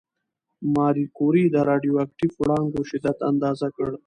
ماري کوري د راډیواکټیف وړانګو شدت اندازه کړ.